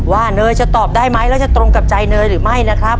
เนยจะตอบได้ไหมแล้วจะตรงกับใจเนยหรือไม่นะครับ